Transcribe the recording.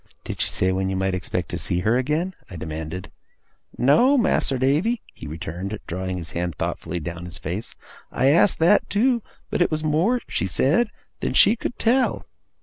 'Did she say when you might expect to see her again?' I demanded. 'No, Mas'r Davy,' he returned, drawing his hand thoughtfully down his face. 'I asked that too; but it was more (she said) than she could tell.